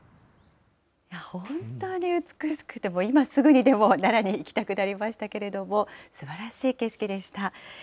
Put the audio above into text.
本当に美しくて、今すぐにでも奈良に行きたくなりましたけれども、すばらしい景色でした。